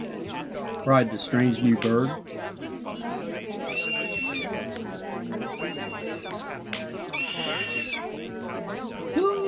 cried the strange new bird.